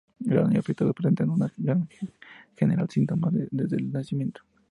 Los niños afectados presentan en general síntomas desde el nacimiento.